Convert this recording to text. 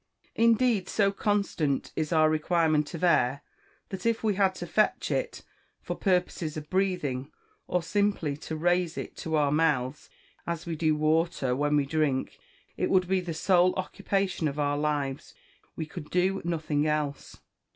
Indeed, so constant is our requirement of air, that _if we had to fetch it, for purposes of breathing, or simply to raise it to our mouths, as we do water when we drink, it would be the sole occupation of our lives_ we could do nothing else.